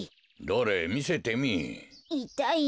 どれみせてみい。